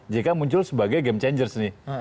jk muncul sebagai game changers nih